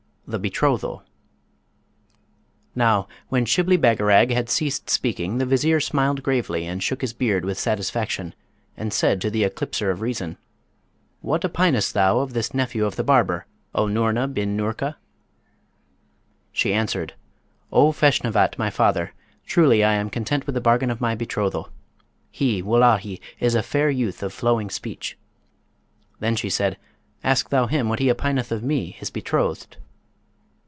THE BETROTHAL Now, when Shibli Bagarag had ceased speaking, the Vizier smiled gravely, and shook his beard with satisfaction, and said to the Eclipser of Reason, 'What opinest thou of this nephew of the barber, O Noorna bin Noorka?' She answered, "O Feshnavat, my father, truly I am content with the bargain of my betrothal. He, Wullahy, is a fair youth of flowing speech.' Then she said, 'Ask thou him what he opineth of me, his betrothed?"